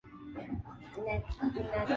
na Kolombia Mbele ya pwani ya Bahari ya